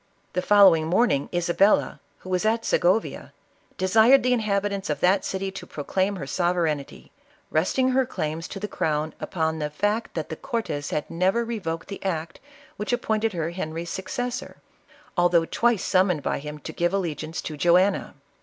The following morning, Isabella, who was at Sjgo via, desired the inhabitants of that city to proclaim her sovereignty, resting her claims to the crown upon the fact that the cortes had never revoked the act which ap pointed her Henry's successor, although twice summoned by him to give allegiance to Joanna.